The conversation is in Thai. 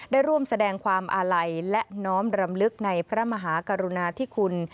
ได้ร่วมแสดงความอาลัยและน้อมรำลึกในพระมหากรุณาธิคุณ